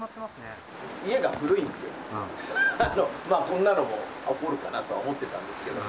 家が古いので、まあ、こんなことも起こるかなと思ってたんですけど。